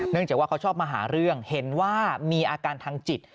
จากว่าเขาชอบมาหาเรื่องเห็นว่ามีอาการทางจิต